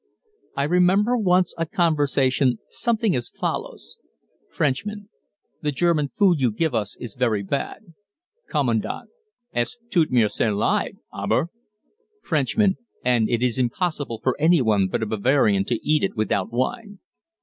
I remember once a conversation something as follows: Frenchman. "The German food you give us is very bad." Commandant. "Es tut mir sehr leid, aber " Frenchman. "And it is impossible for any one but a Bavarian to eat it without wine."